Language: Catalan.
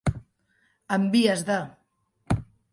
En vies de.